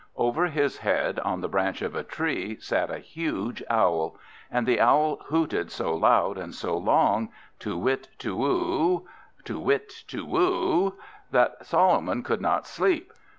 Over his head, on the branch of a tree, sat a huge Owl; and the Owl hooted so loud and so long, Too whit too woo! Too whit too woo! that Solomon could not sleep.